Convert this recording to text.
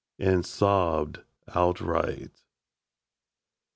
And Sobbed Outright.